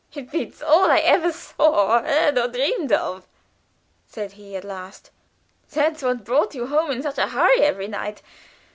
"It beats all I ever saw or heard or dreamed of," said he, at last. "That's what brought you home in such a hurry every night.